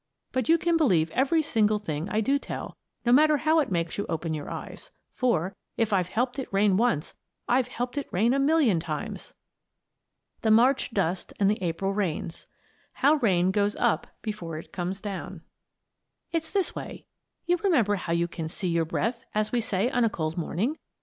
But you can believe every single thing I do tell, no matter how it makes you open your eyes; for, if I've helped it rain once I've helped it rain a million times! I. THE MARCH DUST AND THE APRIL RAINS HOW RAIN GOES UP BEFORE IT COMES DOWN It's this way: You remember how you can "see your breath," as we say, on a cold morning?